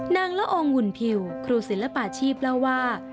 ละอองหุ่นพิวครูศิลปาชีพเล่าว่า